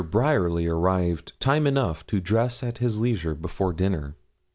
Bryerly arrived time enough to dress at his leisure, before dinner.